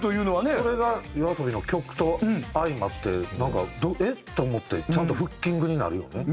それがＹＯＡＳＯＢＩの曲と相まってなんかえっ？と思ってちゃんとフッキングになるよね。